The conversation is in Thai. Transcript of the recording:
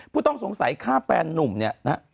ผู้ต้องสงสัยฆ่าแฟนนุ่มเนี่ยนะฮะ